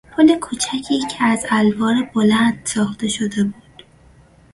پل کوچکی که از الوار بلند ساخته شده بود